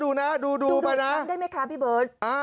ดูไปนะดูดูอีกครั้งได้ไหมคะพี่เบิร์ต